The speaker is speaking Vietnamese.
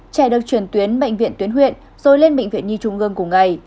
trẻ được chuyển tuyến bệnh viện tuyến huyện rồi lên bệnh viện nhi trung ương cùng ngày